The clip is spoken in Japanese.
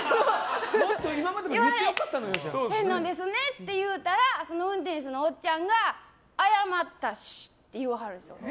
言わはらへんのですねって言ったらその運転手のおっちゃんが謝ったしって言わはるんです。